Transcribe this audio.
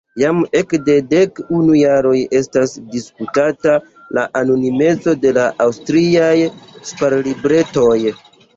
Jam ekde dek unu jaroj estas diskutata la anonimeco de la aŭstriaj ŝparlibretoj.